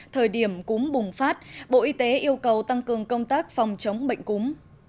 thời điểm cúm bùng phát bộ y tế yêu cầu tăng cường công tác phòng chống bệnh cúm